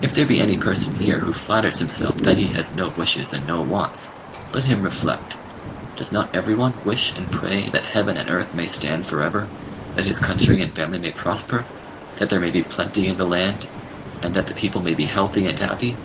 If there be any person here who flatters himself that he has no wishes and no wants, let him reflect. Does not every one wish and pray that heaven and earth may stand for ever, that his country and family may prosper, that there may be plenty in the land, and that the people may be healthy and happy?